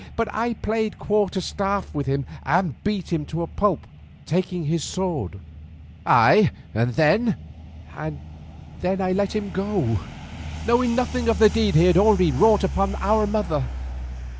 But I played quarter staff with him and beat him to a pulp, taking his sword." "Ay, and then?" "And then I let him go, knowing nothing of the deed he had already wrought upon our mother.